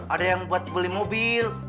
ada yang buat beli mobil